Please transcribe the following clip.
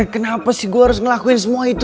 kenapa sih gue harus ngelakuin semua itu